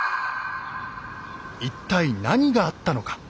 一体何があったのか。